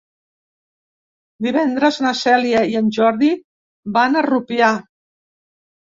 Divendres na Cèlia i en Jordi van a Rupià.